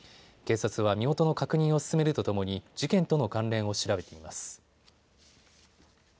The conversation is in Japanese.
警察は身元の確認を進めるとともに事件との関連を調べています。